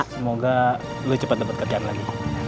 semoga lu cepet cepet kerjaan lagi